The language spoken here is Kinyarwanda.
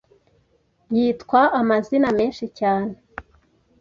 Yitwa amazina menshi cyane